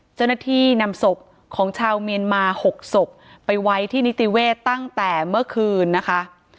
เจ้าหน้าที่นำศพของชาวเมียนมา๖ศพไปไว้ที่นิติเวศตั้งแต่เมื่อคืนนะคะ